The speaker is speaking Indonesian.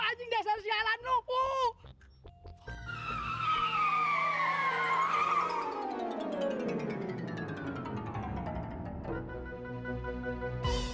wah anjing dasar sialan lo